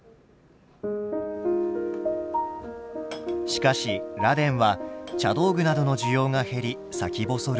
しかし螺鈿は茶道具などの需要が減り先細る